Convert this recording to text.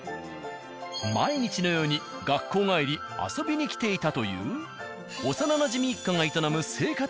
毎日のように学校帰り遊びに来ていたという幼なじみ一家が営む青果